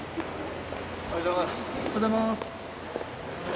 おはようございます。